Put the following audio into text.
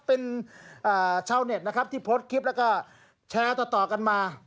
เป็นเช้าเน็ตที่พดคลิปแล้วก็แชร์ต่อกันมา